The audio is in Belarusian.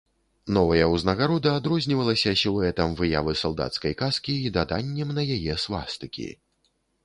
Новая узнагарода адрознівалася сілуэтам выявы салдацкай каскі і даданнем на яе свастыкі.